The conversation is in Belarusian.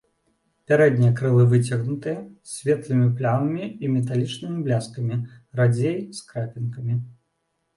Пярэднія крылы выцягнутыя, з светлымі плямамі і металічным бляскам, радзей з крапінкамі.